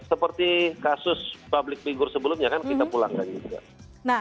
seperti kasus public figure sebelumnya kan kita pulangkan juga